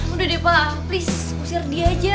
udah deh pak please usir dia aja